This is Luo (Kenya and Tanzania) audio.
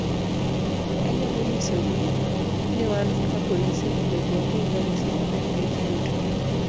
Anyalo nyisogi ni wan kaka polise onego wabed ranyisi maber ne ji duto.